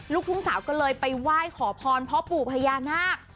ลูกทุ่งสาวก็เลยไปไหว้ขอพรพ่อปู่พญานาค